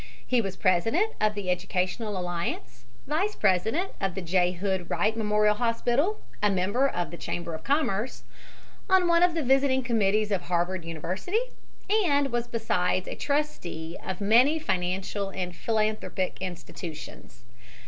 He was president of the Educational Alliance, vice president of the J. Hood Wright Memorial Hospital, a member of the Chamber of Commerce, on one of the visiting committees of Harvard University, and was besides a trustee of many financial and philanthropic institutions.